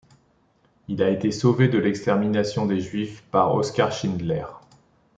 Il a été sauvé de l'extermination des Juifs par Oskar Schindler.